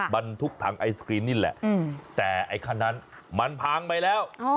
บรรทุกถังไอศกรีมนี่แหละแต่ไอ้คันนั้นมันพังไปแล้ว